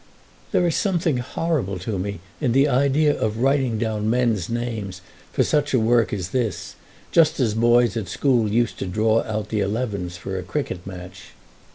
"There is something horrible to me in the idea of writing down men's names for such a work as this, just as boys at school used to draw out the elevens for a cricket match."